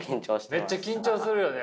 めっちゃ緊張するよね。